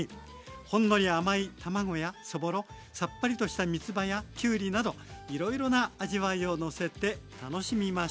ほんのり甘い卵やそぼろさっぱりとしたみつばやきゅうりなどいろいろな味わいをのせて楽しみましょう。